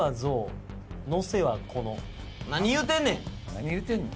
何言うてんの？